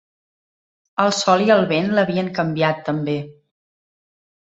El sol i el vent l'havien canviat, també.